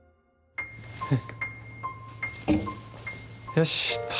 よしっと。